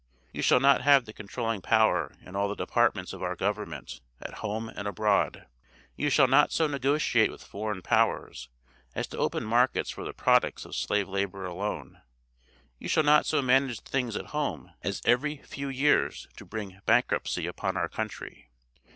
You shall not have the controlling power in all the departments of our government at home and abroad. You shall not so negotiate with foreign powers, as to open markets for the products of slave labor alone. You shall not so manage things at home, as every few years to bring bankruptcy upon our country.